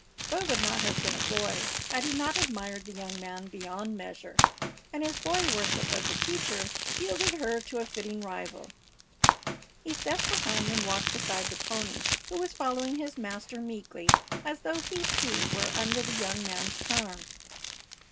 Bud would not have been a boy had he not admired the young man beyond measure; and his boy worship of the teacher yielded her to a fitting rival. He stepped behind and walked beside the pony, who was following his master meekly, as though he, too, were under the young man's charm.